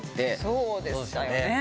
そうでしたよね。